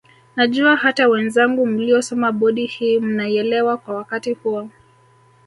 Najua hata wenzangu mliosoma bodi hii mnaielewa kwa wakati huo